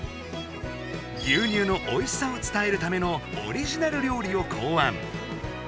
牛乳のおいしさを伝えるためのオリジナル料理を考案！